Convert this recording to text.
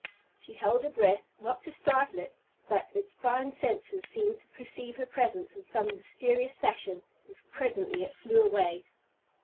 She held her breath, not to startle it; but its fine senses seemed to perceive her presence in some mysterious fashion, and presently it flew away.